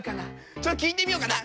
ちょっと聞いてみようかな。